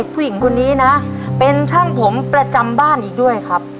ผู้หญิงคนนี้นะเป็นช่างผมประจำบ้านอีกด้วยครับ